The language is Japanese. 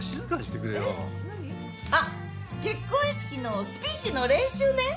あっ結婚式のスピーチの練習ね？